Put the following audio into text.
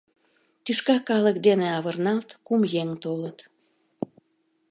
Тӱшка калык дене авырналт, кум еҥ толыт.